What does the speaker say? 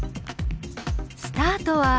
スタートは。